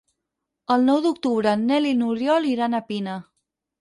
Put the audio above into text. El nou d'octubre en Nel i n'Oriol iran a Pina.